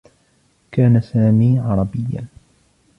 كان سامي عربيّا.